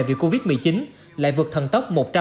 vì covid một mươi chín lại vượt thần tốc